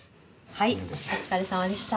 はいお疲れさまでした。